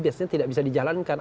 biasanya tidak bisa dijalankan